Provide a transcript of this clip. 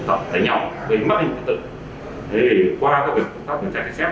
thì phần lớn đều gần như là